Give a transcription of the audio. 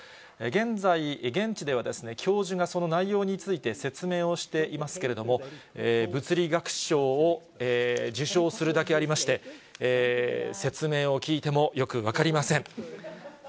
現在、現地では教授がその内容について説明をしていますけれども、物理学賞を受賞するだけありまして、説明を聞いても、よく分かりません。